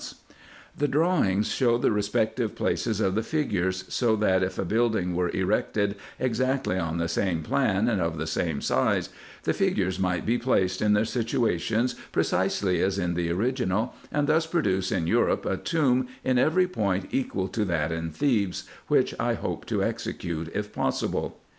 240 RESEARCHES AND OPERATIONS The drawings show the respective places of the figures, so that if a building were erected exactly on the same plan, and of the same size, the figures might be placed in their situations precisely as in the original, and thus produce in Europe a tomb, in every point equal to that in Thebes, which I hope to execute if possible.